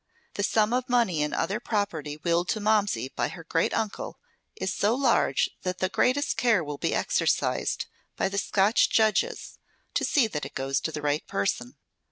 The sum of money and other property willed to Momsey by her great uncle is so large that the greatest care will be exercised by the Scotch judges to see that it goes to the right person."